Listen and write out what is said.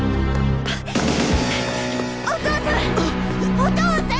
お父さん！